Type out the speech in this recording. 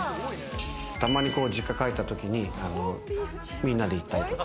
たまに実家帰ったときに、みんなで行ったりとか。